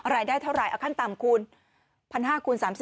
รายได้เท่าไหร่เอาขั้นต่ำคูณ๑๕คูณ๓๐